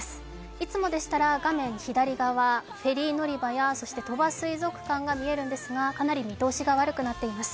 いつもでしたら画面左側、フェリー乗り場やそして鳥羽水族館が見えるんですがかなり見通しが悪くなっています。